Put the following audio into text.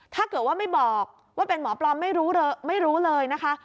ถ้าเกิดว่าไม่บอกว่าเป็นหมอปลอมไม่รู้เลยนะคะ